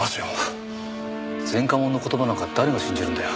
前科者の言葉なんか誰が信じるんだよ。